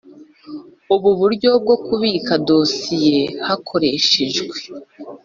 Ubu buryo bwo kubika dosiye hakoreshejwe